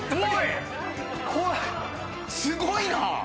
すごいな！